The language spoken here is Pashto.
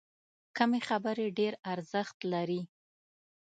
کمې خبرې، ډېر ارزښت لري.